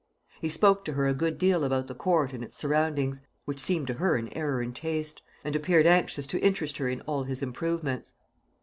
He spoke to her a good deal about the Court and its surroundings which seemed to her an error in taste and appeared anxious to interest her in all his improvements.